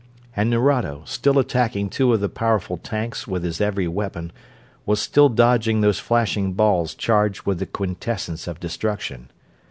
And Nerado, still attacking two of the powerful tanks with his every weapon, was still dodging those flashing balls charged with the quintessence of destruction.